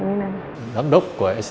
các bài học các bài học của std